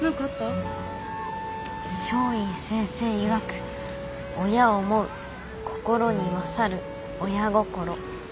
松陰先生いわく「親思う心にまさる親心」。